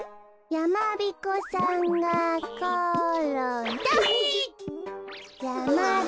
やまびこさんがころんだ！